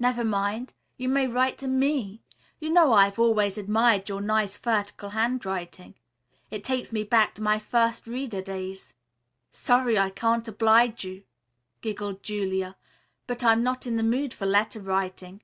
"Never mind. You may write to me. You know I have always admired your nice vertical handwriting. It takes me back to my first reader days." "Sorry I can't oblige you," giggled Julia, "but I'm not in the mood for letter writing.